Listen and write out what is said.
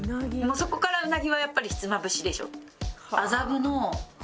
そこから鰻はやっぱりひつまぶしでしょ。